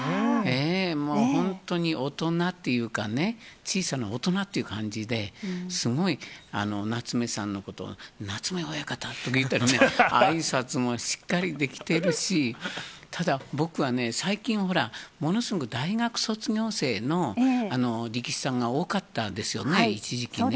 もう本当に大人っていうかね、小さな大人っていう感じで、すごい、夏目さんのことを夏目親方とか言ったり、あいさつがしっかりできてるし、ただ、僕はね、最近ほら、ものすごく、大学卒業生の力士さんが多かったですよね、一時期ね。